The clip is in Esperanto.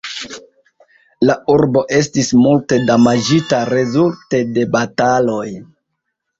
La urbo estis multe damaĝita rezulte de bataloj.